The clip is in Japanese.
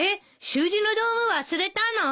習字の道具忘れたの？